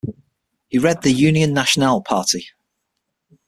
He led the Union Nationale party.